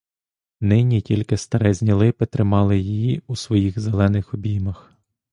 Нині тільки старезні липи тримали її у своїх зелених обіймах.